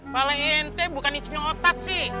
pala ente bukan isinya otak sih